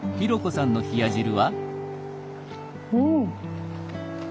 うん。